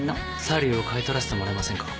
サリューを買い取らせてもらえませんか？